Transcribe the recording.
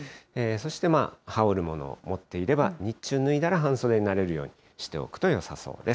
そして羽織るものを持っていれば、日中脱いだら、半袖になれるようにしておくとよさそうです。